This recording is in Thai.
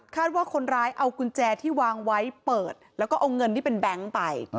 ว่าคนร้ายเอากุญแจที่วางไว้เปิดแล้วก็เอาเงินที่เป็นแบงค์ไป